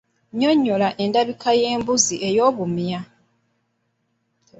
Nnyonnyola endabika y’embuzi ey’obumya.